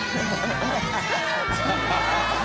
ハハハ